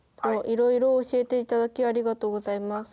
いろいろ教えていただきありがとうございます。